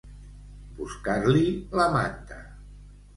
Buscar-li la manta.